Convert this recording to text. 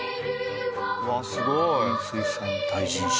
うわっすごい。農林水産大臣賞。